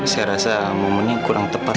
saya rasa momennya kurang tepat